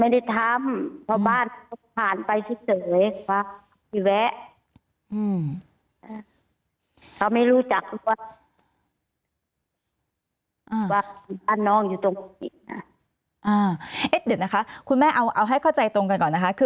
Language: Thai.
เดี๋ยวนะคะคุณแม่เอาให้เข้าใจตรงกันก่อนนะคะ